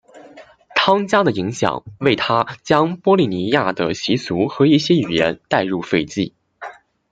汤加的影响为他将波利尼西亚的习俗和一些语言带入斐济。